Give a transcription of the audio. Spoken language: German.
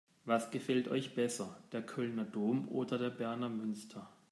Was gefällt euch besser: Der Kölner Dom oder der Berner Münster?